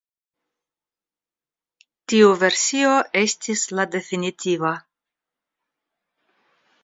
Tiu versio estis la definitiva.